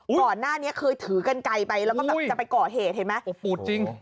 ก่อนหน้านี้เคยถือกันไกลไปแล้วก็จะไปก่อเหตุเห็นไหม